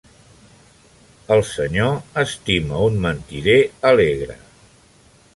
El Senyor estima un mentider alegre.